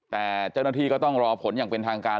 แต่เจ้าหน้าที่ก็ต้องรอผลอย่างเป็นทางการ